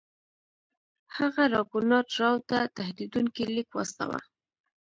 هغه راګونات راو ته تهدیدونکی لیک واستاوه.